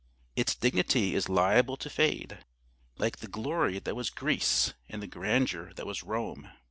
Its dignity is liable to fade, like the glory that was Greece and the grandeur that was Rome.